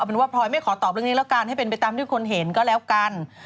เป็นว่าพลอยไม่ขอตอบเรื่องนี้แล้วกันให้เป็นไปตามที่คนเห็นก็แล้วกัน